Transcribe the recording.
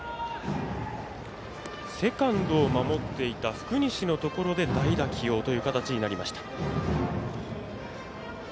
セカンドを守っていた福西のところで代打起用という形になりました。